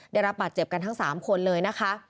ได้รับบาดเจ็บกันทั้ง๓คนเลยนะคะ